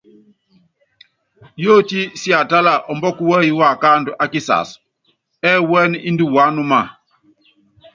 Yótí siatála ɔmbɔ́ku wɛ́yí waakáandu ákisass, ɛ́ɛ́ wúɛ́nɛ indi wuánúma.